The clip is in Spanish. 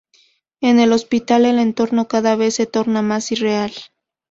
En el hospital, el entorno cada vez se torna más irreal.